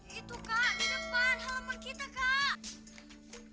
gitu kak di depan halaman kita kak